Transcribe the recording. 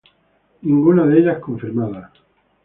Ninguna de ellas confirmada.